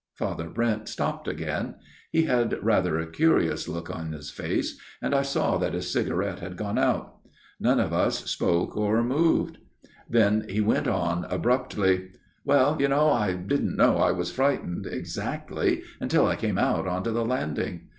Father Brent stopped again. He had rather a curious look in his face, and I saw that his cigarette had gone out. None of us spoke or moved. FATHER BRENT'S TALE 67 Then he went on again, abruptly :" Well, you know, I didn't know I was frightened exactly until I came out onto the landing.